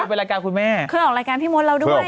เป็นรายการคุณแม่เคยออกรายการพี่มดเราด้วย